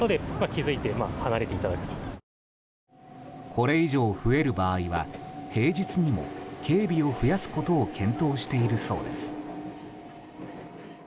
これ以上増える場合は平日にも警備を増やすことを検討しているそうです。